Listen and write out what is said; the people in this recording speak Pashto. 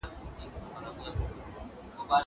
که وخت وي، قلم استعمالوموم!